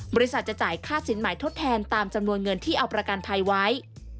บริษัทจะจ่ายค่าสินหมายทดแทนตามจำนวนเงินที่เอาประกันภัยไว้